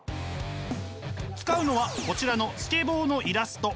使うのはこちらのスケボーのイラスト。